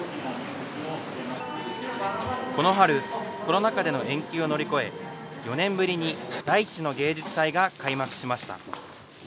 この春、コロナ禍での延期を乗り越え、４年ぶりに大地の芸術祭が開幕しました。